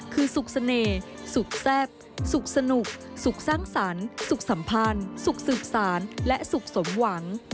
คือศุกร์เสน่ห์ศุกร์แซ่บศุกร์สนุกศุกร์สร้างสรรค์ศุกร์สัมพันธ์ศุกร์สืบสารและศุกร์สมหวัง